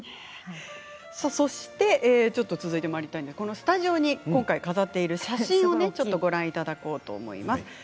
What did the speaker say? そしてこのスタジオに今回飾っている写真をご覧いただこうと思います。